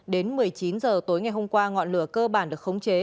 đến một mươi chín h tối ngày hôm qua ngọn lửa cơ bản được khống chế